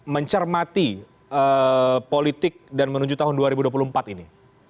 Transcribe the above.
mencermati politik dan menuju tahun dua ribu dua puluh empat ini